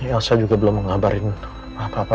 tapi elsa juga belum mengabarin apa apa